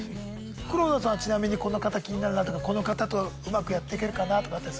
黒田さんはちなみにこの方気になるなとかこの方とうまくやっていけるかなとか。